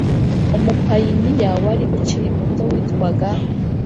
Umupayiniya wari ukiri muto witwaga